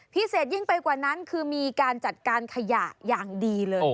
ยิ่งไปกว่านั้นคือมีการจัดการขยะอย่างดีเลย